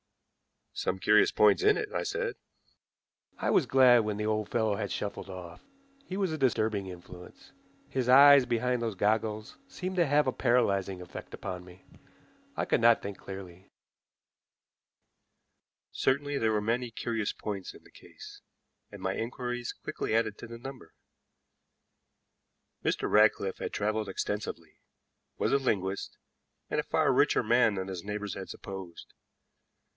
"Some curious points in it," I said. I was glad when the old fellow had shuffled off. He was a disturbing influence. His eyes behind those goggles seemed to have a paralyzing effect upon me. I could not think clearly. Certainly there were many curious points in the case, and my inquiries quickly added to the number. Mr. Ratcliffe had traveled extensively, was a linguist, and a far richer man than his neighbors had supposed.